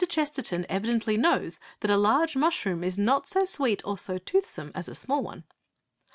Chesterton evidently knows that a large mushroom is not so sweet or so toothsome as a small one.